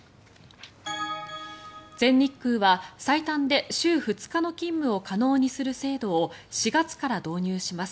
全日空は最短で週２日の勤務を可能にする制度を４月から導入します。